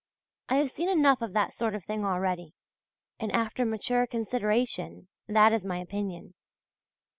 I have seen enough of that sort of thing already, and after mature consideration that is my opinion.